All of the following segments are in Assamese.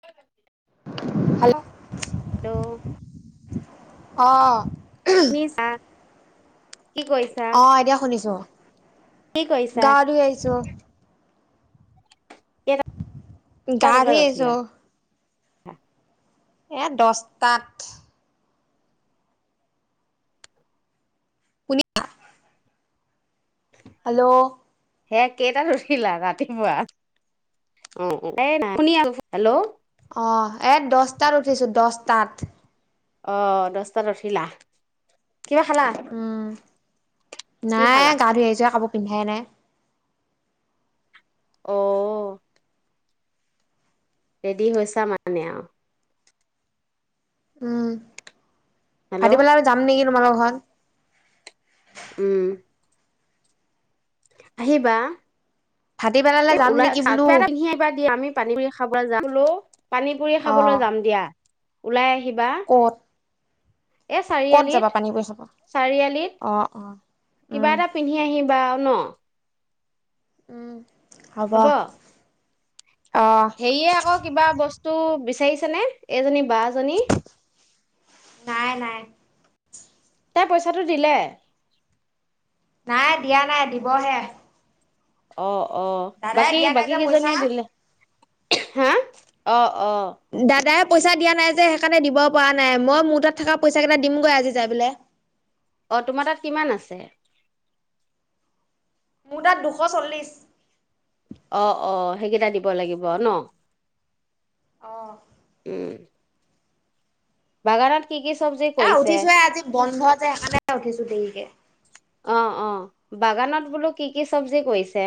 সেইফালেদি, হেল্ল', - অ হেল্ল'! কি কৰিছা অ', এতিয়া শুনিছো। কি কৰিছা গা় ধুই আহিছোঁ অ কেইটা গা বজাত ধুই আহিছো উঠিলা অ এয়া দচটাত। শুনি হেল্ল'! সেয়া কেইটাত উঠিলা ৰাতিপুৱা অ এ ন শুনি আহ হেল্ল'! অ', এ দচটাত উঠিছোঁ দচটাত। অ', দচটাত উঠিলা। কিবা খালা? উম কি নাই খালা গা ধুই আহিছো হে কাপো পিন্ধা নাই। অ'। ৰেডী হৈছে মানে আৰু। হেল্ল' ভাটিবেলা আৰু যাম নেকি? তোমালোকৰ ঘৰত। উম। আহিবা। ভাটিবেলালৈ এ যাম ওলাই, [inaudible] নেকি বোলো কিবা এটা পিন্ধি আহিবা দিয়া আমি পানী পুৰি সাবলে যাম। ল' পানী পুৰি অ খাবলৈ জাম দিয়া। ওলাই। আহিবা কত? এই কত চাৰিআলিত যাবা পানী পই কব? চাৰিআলিত অ', অ'। কিবা উম এটা পিন্ধি আহিবা আউ ন। উম। হব। অ হেইয়ে আকৌ কিবা বছ তো বিচাৰিছে নে এইজনী বা জনী। নাই, নাই। তাই পইচাটো দিলে। নাই, দিয়া নাই, দিব হে। অ'। অ', বাকী নাই বাকী যে কেইজনীয়ে পইচা দিলে। হে, অ'। অ দাদাই পইচা দিয়া নাই যে হেকানে দিব পৰা নাই, মই মুহাতত থকা পইছা কেতা দিমগৈ আজি যাই পেলাই। অ', তোমাৰ তাত কিমান আছে? মোৰ তাত দুশচলিছ। অ', অ' সেইকিটা দিব লাগিব আউ ন। অ উম। বাগানত কি কি চব্জি এ কৰিছে উঠিচোহে আজি বন্ধযে সেকাণে উঠিছোঁ দেইকে। অ অ বাগানত বুলো কি কি চব্জি কৰিছে?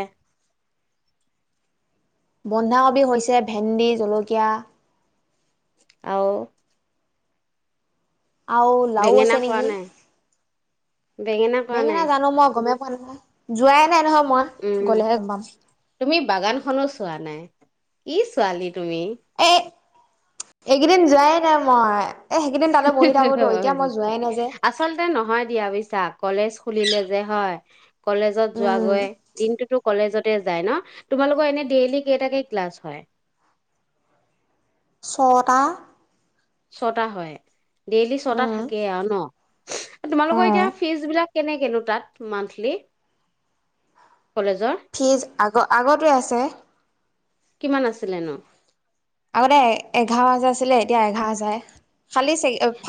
বন্ধাকবি হৈছে ভেণ্ডি, জলকীয়া। আৰু আৰু লাউ বেঙেনা আছে কৰা নেকি, নাই কৰা নাই বেঙেনা জানো মই গমে- যোৱাই নাই নহ- মই উম গ'লেহে গমপাম। তুমি বাগানখনো চোৱা নাই, কি ছোৱালী। তুমি এই এইকেইদিন যোৱাই নাই মই। এ সেইকেইদিন হি তাতে হি বহি হি হি থাকোতো এতিয়া হয়। মই যোৱাই নাই যে। আছলতে নহয় দিয়া বুজিছা। কলেজ খুলিলে যে, হয়। কলেজত যোৱ উম গৈ, দিনটোতো কলেজত তে যায় ন। তোমালোকৰ এনে ডেইলি কেইটাকে ক্লাছ হয়? ছটা। ছটা হয়। ডেইলি ছটা উম থাকে আৰু ন? অ তোমালোকৰ এতিয়া ফিজ বিলাক- কেনেকে নু তাত মান্থলি? কলেজৰ ফিজ আগ আগতে আছে। কিমান আছিলে ন? আগতে এ এঘাৰ হাজাৰ আছিলে। এতিয়া এঘাৰ যায়।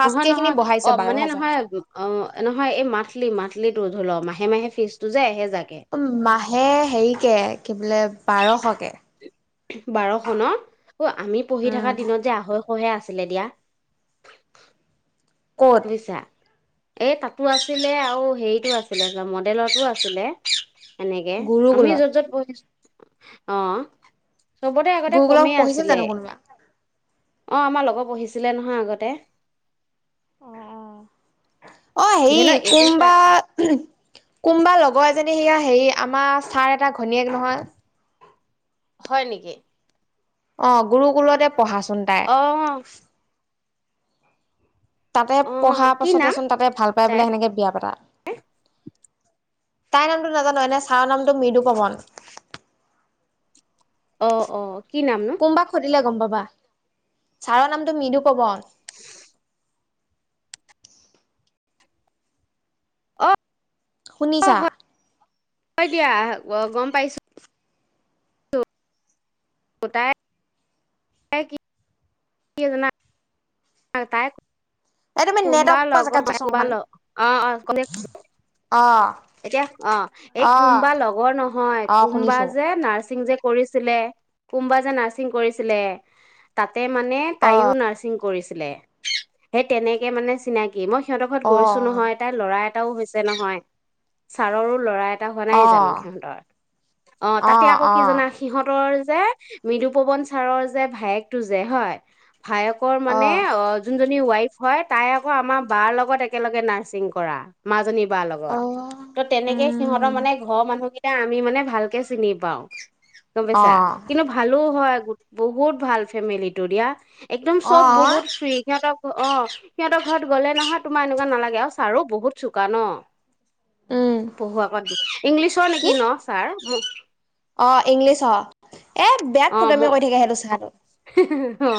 নহয় নহয়। অহ মানে হাজাৰ নহয়, অহ নহয়, এই মান্থলি মান্থলি। মাহে মাহে ফিজটো যে এহে- উম, মাহে হেৰি কে, কি বলে বাৰশ- বাৰশ ন? অ আমি পঢ়ি উম থকা দিনত যে আঢ়ৈ- শহে আছিলে দিয়া। ক'ত বুজিছা। এই তাতো আছিলে আৰু হেৰিটো আছিলে, মডেলতো আছিলে। এনেকে। আমি গুৰুকুলত য'ত য'ত পঢ়িছ- অহ। চবতে আগতে গুৰুকুলত কমেই পঢ়িছিল আছিলে। জানো কোনোবা অহ, আমাৰ লগৰ পঢ়িছিলে নহয় আগতে। অহ অহ। অহ ধৰি হেৰি, লওক এইটো কোনবা, চাৰ উহম, কোনবা লগৰ এজনী সেয়া হেৰি আমাৰ ছাৰ এটা- ঘনীয়েক নহয়। হয় নেকি অ গুৰু কুলতে পঢ়াচোন অ তাই তাতে অ পঢ়া কি পাছতে নাম চোন তাতে ভাল পাই তাই বোলে হেনেকৈ বিয়া পাতা তাইৰ নামটো নাজানো এনে ছাৰৰ নামটো মৃদু পৱন অ অ কি নামনো কোম বাক সুধিলে গম পাব কোৱা ছাৰৰ নামটো মৃদু পৱন অ শুনিছা? হ'ব দিয়া গম পাইছো হতায় হয় কি? কিয় জানা? আৰু তাই এই তুমি কুম নেটৱৰ্ক ল পোৱা জেগাত যাচোন অকমান কুমাল অ অ ক অ এতিয়া অ এই অ কোনম্বা লগৰ নহয় অ কোনম্বা শুনিছো যে নাৰছিং যে কৰিছিলে কোনবা যে নাৰছিং কৰিছিলে তাত তাতে মানে অ তাইয়ো নাৰ্ছিং কৰিছিল সেই তেনেকে মানে চিনাকি কি মই সিহঁৰ ঘৰত অ গৈছো নহয় তাই ল'ৰা এটাও হৈছে নহয় ছাৰৰো লৰাই এটা হোৱা নাই অ জানো সিহঁতৰ, অ তাতে আকৌ কি জনা সিহঁতৰ যে মৃদুপৱন ছাৰৰ যে ভায়েকটো যে হয় ভায়েকৰ মানে অ যোন ৱাইফ হয় তাই আকৌ আমাৰ বাৰ লগত একেলগে নাৰ্ছিং কৰা মাজনী কোম বা লগত অ ত তেনেকে সিহঁতৰ উম মানে ঘৰৰ মানুহ কি এতিয়া আমি মানে ভালকে চিনি পাওঁ গম অ পাইছা কিন্তু ভালো হয় বহুত ভাল ফেমিলিটো দিয়া একদম অ সব বহুত ফ্ৰী সিহঁতৰ অ সিহঁতৰ ঘৰত গলে নহয় তোমাৰ এনেকুৱা নালাগে আৰু চাৰো বহুত চোকা ন উম পঢ়ুৱাবা আক দি ইংলিছৰ কি নেকি ন ছাৰ উম! অ' ইংলিছ অ'। এ! বেয়া অ ম ফটুৱামি কৰি থাকে। সেইটো [unintelligible] অ'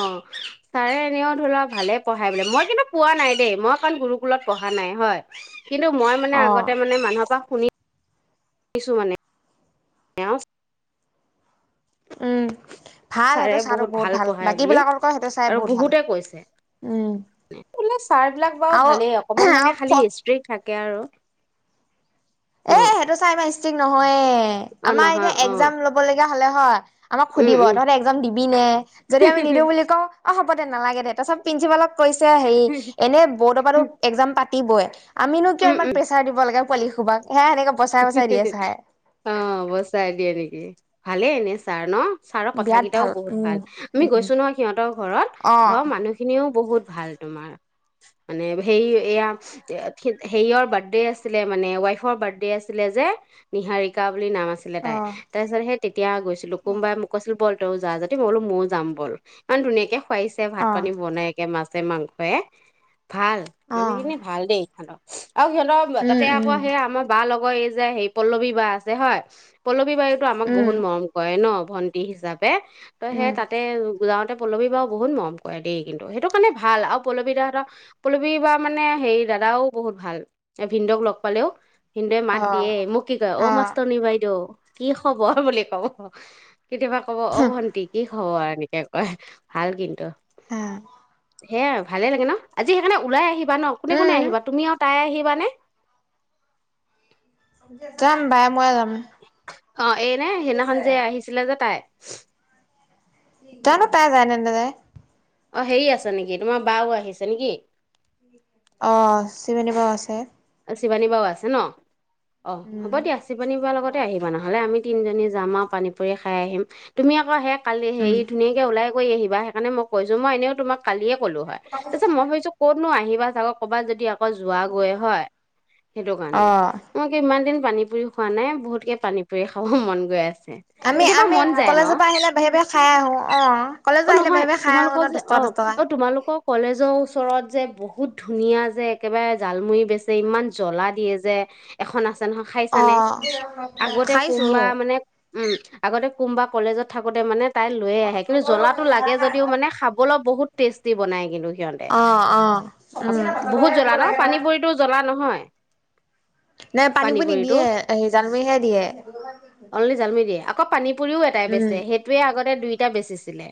ছাৰে এনেও ধৰা ভালে পঢ়াই বোলে। মই কিন্তু পোৱা নাই দেই। মই কাৰণ, গুৰুকুলত পঢ়া নাই হয়। কিন্তু, মই মানে, অ আগতে মানে মানুহৰ পৰা শুনি দিছো মানে। [unintelligible] উম। ভাল ছাৰে সেইটো চাহটো বহুত ভাল পঢ়ায় বাকী বুলি বিলাকতকৈ সেইটো চাই আৰু বহুত ভাল বহুতে কৈছে, উম এনে ছাৰ বিলাক বাৰু আৰু ভালেই অকমান মানে, খালি আৰু স্ত্ৰিক থাক [unintelligible] এ! সেইটো চাই মাৰিছে। আজি নহয়। এ, অ আমাৰ যে নহয় অ এক্জাম ল'ব লগীয়া ভালে হয়। আমাক উম সুধিব উম তহঁতে এক্জাম দিবি নে? যদি আমি নিদিও বুলি কওঁ অ‌ হ'ব দে। নালাগে দে, তাৰ পিছত প্ৰিন্ঞ্চিপালক কৈছে, হেৰি এনে বৰ্ডৰ পা তো এক্জাম পা পতিবই। আমিনো কিয় ইমান প্ৰেছাৰ দিব লাগে। পোৱালী সুপা হিহিহিহিহি অ বছাই দিয়ে নেকি ভালে এনে ছাৰ ন ছাৰৰ কথা বিৰাট কেইটাও বহুত উম ভাল আমি উম গৈছো নহ সিহঁতৰ ঘৰত অ ঘৰৰ মানুহখিনিও বহুত ভাল তোমাৰ মানে সেই এয়া সেয়ৰ বাৰ্থডে আছিলে মানে ৱাইফৰ বাৰ্থডে আছিলে আছিলে যে নিহাৰিকা বুলি নাম আছিলে অ তাইৰ‌ তাৰপিছত সেই এতিয়া গৈছিলো কোনোবাৱ অ মোক কৈছিলো বল আৰু যা যাতি মই বোলো ম‌ইও যাম ব'ল ইমান ধুনীয়াকে খুৱাইছে ভাত পানী বনাই একে মাছে মাংসয়ে ভাল অ মানুহখিনি ভাল দেই হেল্ল' আৰু সিহতৰ উম তাতে আকৌ উম সেই আমাৰ বা লগ অ', এই যে, হেই পল্লৱী বা আছে হয়', - পল্লৱী- পি বাইয়েতো আমাক উম বহুত মৰম কৰে ন ভণ্টি হিচাপ দেহ, তই সেই উম তাতে, - তাকে পল্লৱী বা বহুত মৰম কৰে দেই কিন্তু সেইটো কাৰণে ভাল আৰু পল্লৱী দা হতৰ পল্লৱী বা মানে হেৰি দাদাও বহুত ভাল ভিনদেউক লগ পালেও কিন অ দিয়ে, মোক কি', কয় অ', মাষ্টনী-বাইদেউ কি খবৰ বুলি কব, কেতিয়াবা কব অ ভণ্টি কি খবৰ নিতে কয় ভাল কিন্তু হঃ- সেয়া ভালে লাগে ন আজি সেইকাৰণে ওলাই আহিব হোৱাত ন', কোনে -কোনে উম আহিবা তুমি আৰু তাই আহিব, খোৱানে? যাম বাই, ময়ে যাম। অ এইনে সেইদিনাখন যে আহিছিলে যে তাই সু জানো তাই যায়নে নেযায় অ ', হেৰি আছে নেকি? তোমাৰ বাও আহিছে নেকি? অ শিৱানী বা আছে শিৱানী বাও আছে ন অ', হ'ব দিয়া, শিৱানি বাৰ লগতে আহিবা। নহ'লে আমি তিনজনী যাম আও', - পানী- পুৰি খাই আহিম, তুমি আকৌ সেয়াত- কালি উম। হেৰি ধুনীয়াকে ওলাই, কৰি আহিবা হেকাৰনে মই কৈছো মই এনেও তোমাক, কালিয়ে কলো হয়। তাৰপিছত মই ভাবছো ক'ত কোনো আহিবা চাগগ ক'বা যদি আক' তই যোৱা গৈয়ে হয় সেইটো কাৰনে অ' মই কিম ইমান দিন পানী পুৰি খোৱা নাই, বহুতকে পানী পুৰি খাব মন গৈ আছে। আমি কেতিয়াবা আমি মন যায় কলেজৰ ন', পৰা আহিলে বাহিৰে বাহিৰে খাই আহো অ' - অ কলেজৰ ', আহিলে -নহয় বাহিৰে বাহিৰে খাই আহো ন তোমালোকৰ দহ যে', টকা দহ টকা অ- অ তোমালোকৰ কলেজৰ ওচৰত যে, বহু বহুত ধুনীয়া যে, একেবাৰে জালমুৰি বেচে, যে', ইমান জ্বলা দিয়ে যে', এখন আছে- জানুহ খাই চানে অ' আগতে কোম খাইছো বা মানে উম', - আগতে কোম বা কলেজত থাকোতে মানে, তাই লৈয়ে আহে কিন্তু জ্বলাটো লাগে যদিও মানে খাবলৈ বহুত টেষ্টি বনাই কিন্তু। সিহঁতে অ অ উম ভাল নহয় নাই পানী পানীবোৰ পুৰিটো নিদিয়ে হে জালমুৰিহে দিয়ে অনলি জালমি দিয়ে আকৌ পানী পুৰিও এটাই উম। বেচে সেইটোৱে আগতে দুইটাই বেচিছিলে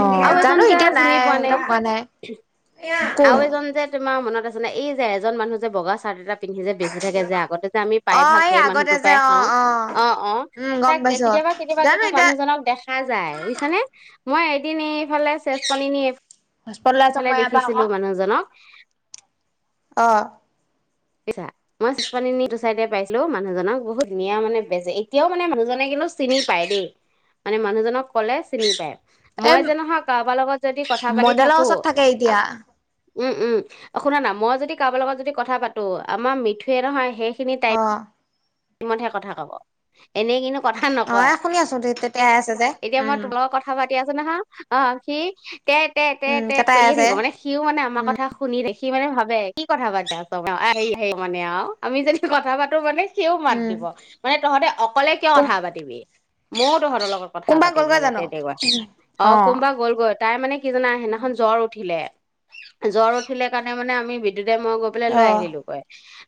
অ আৰু এজন জানো যে এতিয়া নাই চিনি পোৱা নে সেইকেইটা কোৱা নাই কোন আৰু এজন যে তোমাৰ মনত এই যে এজন মানুহ যে বগা চাৰ এটা পিন্ধি যে বেছি থাকে যে আগতে যে আমি প্ৰায় অ' ভাগ এই সেই আগতে মানুহটোৰ যে পৰাই অ' খাওঁ অ অ উম গম তাক পাইছো কেতিয়াবা কেতিয়াবা জানো কিন্তু এতিয়া মানুহজনক দেখা যায় বুজিছানে মই এদিন এইফালে চেল নিও হস্পত ওলাই যাম ইফালে মই ইয়াৰ পৰা আকৌ। দেখিছিলো মানুহজনক অ বুজিছা মই [unintelligible] পাইছিলো মানুহজনক বহুত ধুনীয়া মানে বেজে এতিয়াও মানে মানুহজনে কিন্তু চিনি পায় দেই মানে মানুহজনক কলে চিনি পায় এই মই যে নহয় কাৰোবাৰ লগত যদি কথা পাতি মডেলৰ থাকো। ওচৰত থাকে এতিয়া। উম উম অ শুনানা মই যদি কাৰোবাৰ লগত যদি কথা পাতো আমাৰ মিথুয়ে নহয় শেষ। অ ৰুমতে কথা কব এনেই কিন্তু কথা অ নকয় এ শুনি আছো দে তেতিয়াই আছে যে উম। এতিয়া আছ না হা অ সি তে তে তে তেতাই কৰিয়ে আছে। থাকিব মানে সিও মানে আমাক। উম, কথা শুনি দেখি মানে ভাবে কি কথা পাতা চ আহ হ মানে আৰু আমি যে কথা পাতো মানে। কিয় মাত উম, দিব মানে তহঁতে অকলে কিয় কোন কথা পাতিবি। মোৰ তহঁতৰ লগত কথা কোনোবা পাতিম গ'লগৈ মানে জানো? তেনেকুৱা অ কোনোবা গ'লগৈ তাই মানে কি জানা সেইদিনা জ্বৰ উঠিলে। জ্বৰ উঠিলে কাৰণে মানে আমি। দেতাই মই গৈ পেলাই লৈ অ', আহিলো গৈ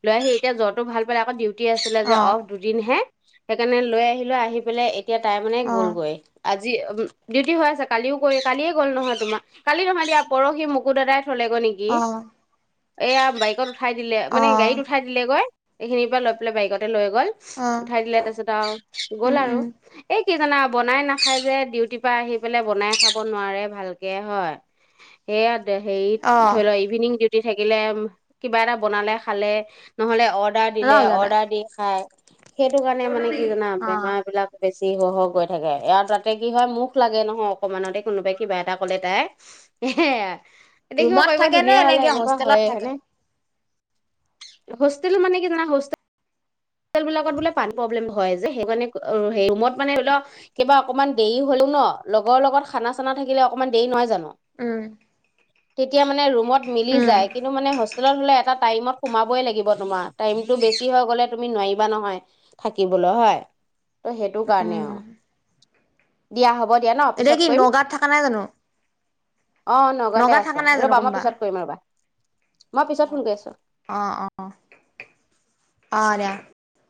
লৈ সেই এতিয়া জ্বৰটো ভাল পালে আকৌ ডিউটি আছিলে যে অ', অফ দুদিন হে সেইকাৰণে লৈ আহিলো আহি পেলাই। এতিয়া তাই মানে অ', গ'লগৈ আজি। যি উম ডিউটি হৈ আছে কালি ও কৰি কালিয়ে গ'ল নহয় তোমাৰ কালি নহয় দিয়া পৰহি মুকু দাদাই থলেগৈ নেকি অ', এইয়া বাইকত উঠাই দিলে মানে অ', গাড়ীত উঠাই দিলে গৈ এইখিনিৰ পৰা লৈ পেলাই বাইকতে লৈ গ গল অ'। উঠাই দিলে তাৰপিছত আৰু গ'ল উম, আৰু উম, এই কি জানা বনাই নাখাই যে ডিউটিৰ পৰা আহি পেলাই বনাই খাব নোৱাৰে ভালকে হয় এয়া হেই অ'। ধৰিল ইভিনিং ডিউটি থাকিলে কিবা এটা বনালে খালে নহলে অৰ্ডাৰ দিলে নাযাওঁ সিহঁতে। অৰ্ডাৰ দি খাই সেইটো কাৰণে মানে কি জানা অ', বেমাৰ বিলাক বেছি দেৰি হৈ হৈ গৈ থাকে আৰু তাতে কি হয় মুখ লাগে নহয় অকমানতে কোনোবাই কিবা এটা ক'লে তাই এয়া ৰুমত থাকে নে এনেকিয় হয়ে হোষ্টেলত হয়নে থাকে হোষ্টেল মানে কি জান হোষ্টেল হোষ্টেল বিলাকত বোলে পান প্ৰব্লেম হয় যে সেইকাৰণে সেই ৰুমত মানে ধলও কিবা অকণমান দেৰি হলো ন লগৰ লগত খানা চানা থাকিলে অকণমান দেৰি নহয় জানো উম এতিয়া মানে ৰুমত মি উম, যায় কিন্তুানে হোষ্টেলত হ'লে এটা টাইমত সোমাবই লাগিব তোমাৰ টাইমতটো বেছি হৈ গলে তুমি নোৱাৰিবা নহয় থাকিবলৈ হয় ত' সেইটো কাৰণেই উম, আৰু দিয়া হ'ব দিয়া ন এতিয়া পিছত কি কৰিম নগাঁত থাকা নাই জানো অ নগাঁৱতে নগাঁৱত আছে থকা নাই জানো ৰ'বা মই কোনোবা? পিছত কৰিম ৰবা মই পিছত ফোন কৰি আছো অ', অ', অ', দিয়া।